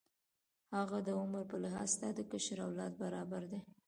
هغه د عمر په لحاظ ستا د کشر اولاد برابر دی.